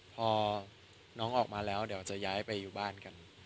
พอน้องออกมาแล้วเดี๋ยวจะย้ายไปอยู่บ้านกัน